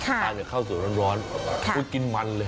อาจจะเข้าสู่ร้อนกินมันเลย